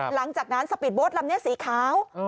หลังจากนั้นสปีดโบ๊ทลำนี้สีขาว